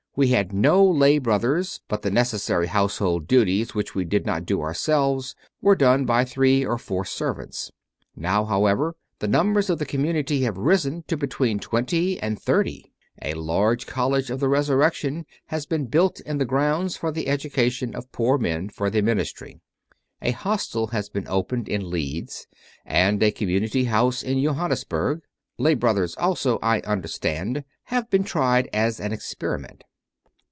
We had no lay brothers, but the neces sary household duties which we did not do ourselves were done by three or four servants. Now, however, the numbers of the community have risen to between twenty and thirty; a large College of the Resurrec tion has been built in the grounds for the education of poor men for the ministry; a hostel has been CONFESSIONS OF A CONVERT 65 opened in Leeds and a community house in Johannes burg; lay brothers also, I understand, have been tried as an experiment.